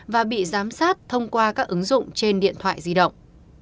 và bị giám sát thông qua các ứng dụng trên điện thoại di động